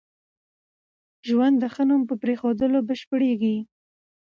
ژوند د ښه نوم په پرېښوولو بشپړېږي.